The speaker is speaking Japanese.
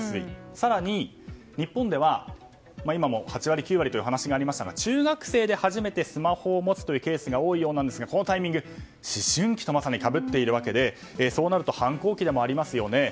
更に、日本では今も８割９割という話がありましたが中学生で初めてスマホを持つというケースが多いようなんですがこのタイミングは思春期とまさにかぶっているわけでそうなると反抗期でもありますよね。